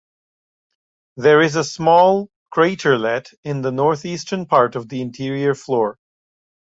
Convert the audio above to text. There is a small craterlet in the northeastern part of the interior floor.